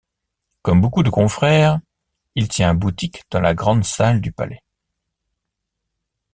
Comme beaucoup de confrères, il tient boutique dans la Grande salle du Palais.